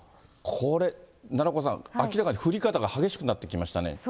これ、奈良岡さん、明らかに降り方が激しくなってきましたね。